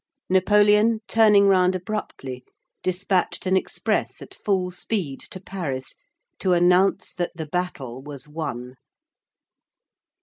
Napoleon turning round abruptly, despatched an express at full speed to Paris to announce that the battle was won.